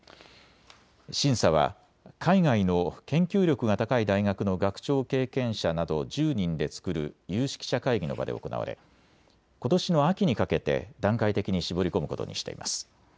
審査は海外の研究力が高い大学の学長経験者など１０人で作る有識者会議の場で行われことしの秋にかけて段階的に絞り込むことにしています。